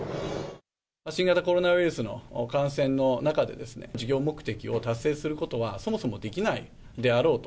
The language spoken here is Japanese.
新型コロナウイルスの感染の中でですね、事業目的を達成することは、そもそもできないであろうと。